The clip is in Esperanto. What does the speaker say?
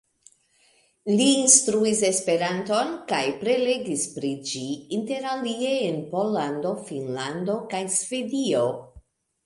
Li instruis Esperanton kaj prelegis pri ĝi, interalie en Pollando, Finnlando kaj Svedio.